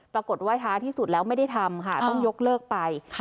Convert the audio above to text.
ปรากฏว่าท้าที่สุดแล้วไม่ได้ทำค่ะต้องยกเลิกไปค่ะ